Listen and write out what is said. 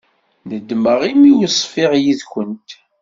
Nedmeɣ imi ur ṣfiɣ yid-kent.